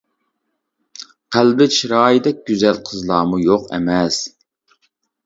قەلبى چىرايىدەك گۈزەل قىزلارمۇ يوق ئەمەس.